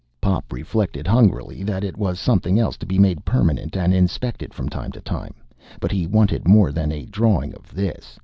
Pop reflected hungrily that it was something else to be made permanent and inspected from time to time. But he wanted more than a drawing of this!